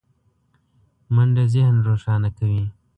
منډه ذهن روښانه کوي